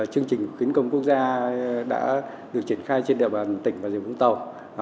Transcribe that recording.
chương trình khuyến công quốc gia đã được triển khai trên đề bàn tỉnh bà rịa vũng tàu